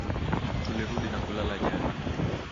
Tulirudi na kulala jana